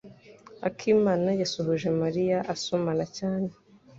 Akimana yasuhuje Mariya asomana cyane.